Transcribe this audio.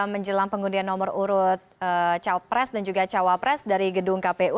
menjelang pengundian nomor urut capres dan juga cawapres dari gedung kpu